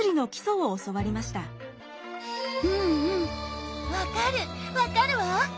うんうん分かる分かるわ。